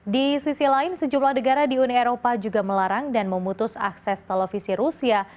di sisi lain sejumlah negara di uni eropa juga melarang dan memutus akses televisi rusia